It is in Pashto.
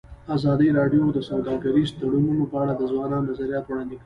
ازادي راډیو د سوداګریز تړونونه په اړه د ځوانانو نظریات وړاندې کړي.